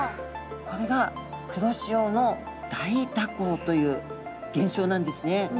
これが黒潮の大蛇行という現象なんですね。